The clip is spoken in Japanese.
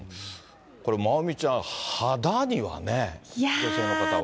これ、まおみちゃん、肌にはね、女性の方は。